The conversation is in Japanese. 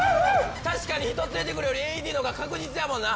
確かに人連れてくるよりＡＥＤの方が確実やもんな。